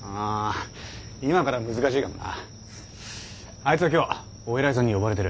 あいつは今日お偉いさんに呼ばれてる。